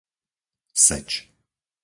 Seč